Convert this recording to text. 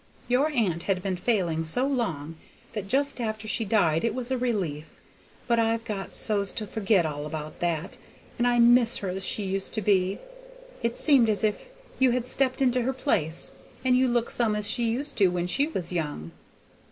"Your aunt had been failin' so long that just after she died it was a relief, but I've got so's to forget all about that, and I miss her as she used to be; it seemed as if you had stepped into her place, and you look some as she used to when she was young."